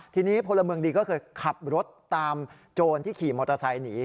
ทีนี้พลเมืองดีก็เคยขับรถตามโจรที่ขี่มอเตอร์ไซค์หนี